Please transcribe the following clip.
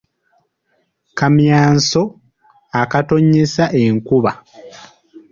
Kamyanso akatonnyesa enkuba.